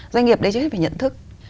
doanh nghiệp đấy trước hết phải nhận thức